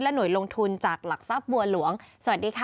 หน่วยลงทุนจากหลักทรัพย์บัวหลวงสวัสดีค่ะ